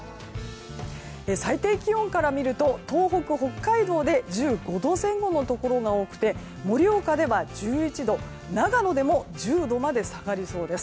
最低気温から見ると東北、北海道で１５度前後のところが多くて盛岡では１１度長野でも１０度まで下がりそうです。